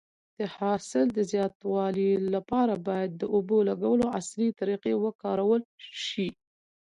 د حاصل د زیاتوالي لپاره باید د اوبو لګولو عصري طریقې وکارول شي.